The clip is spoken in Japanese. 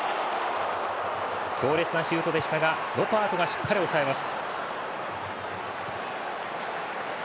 強烈なシュートでしたがノパートがしっかり抑えます。